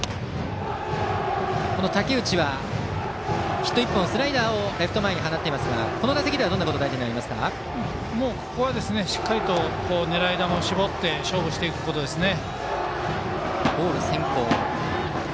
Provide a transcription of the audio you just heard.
この武内はヒット１本スライダーをレフト前に放っていますがこの打席ではもうここはしっかり狙い球を絞って勝負していくことですね。